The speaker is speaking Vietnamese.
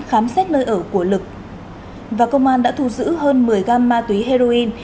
khám xét nơi ở của lực và công an đã thu giữ hơn một mươi gam ma túy heroin